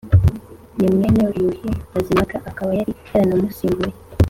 Ni mwene Yuhi Mazimpaka akaba yari yaranamusimbuye